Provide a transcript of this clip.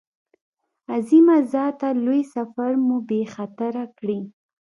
عظیمه ذاته لوی سفر مو بې خطره کړې.